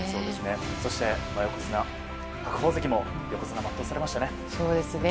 そして横綱・白鵬関も横綱を全うされましたね。